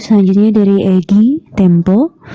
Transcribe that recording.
selanjutnya dari egy tempo